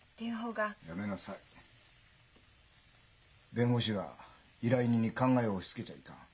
弁護士が依頼人に考えを押しつけちゃいかん。